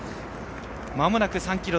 まもなく３ｋｍ。